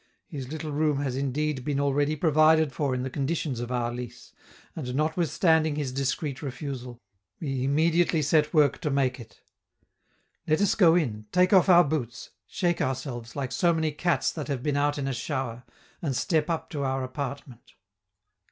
His little room has indeed been already provided for in the conditions of our lease, and notwithstanding his discreet refusal, we immediately set to work to make it. Let us go in, take off our boots, shake ourselves like so many cats that have been out in a shower, and step up to our apartment.